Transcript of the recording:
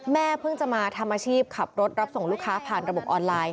เพิ่งจะมาทำอาชีพขับรถรับส่งลูกค้าผ่านระบบออนไลน์